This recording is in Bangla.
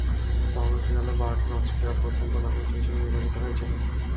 পরবর্তীকালে বার্টন অস্ট্রেলিয়ার প্রথম প্রধানমন্ত্রী হিসেবে নির্বাচিত হয়েছিলেন।